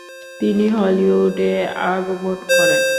তিনি হলিউডে আগমন করেন।